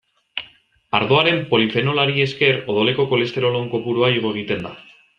Ardoaren polifenolari esker odoleko kolesterol on kopurua igo egiten da.